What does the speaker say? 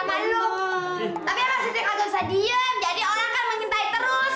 mulai bakal indah